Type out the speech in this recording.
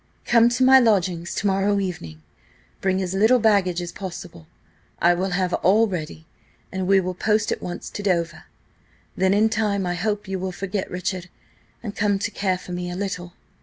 Come to my lodgings to morrow evening! Bring as little baggage as possible; I will have all ready, and we will post at once to Dover. Then in time I hope you will forget Richard and come to care for me a little."